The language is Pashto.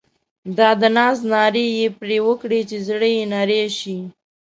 دا د ناز نارې یې پر وکړې چې زړه یې نری شي.